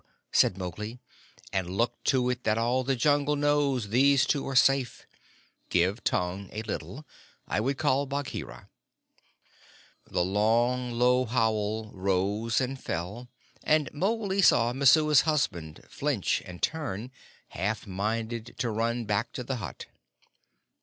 said Mowgli; "and look to it that all the Jungle knows these two are safe. Give tongue a little. I would call Bagheera." The long, low howl rose and fell, and Mowgli saw Messua's husband flinch and turn, half minded to run back to the hut.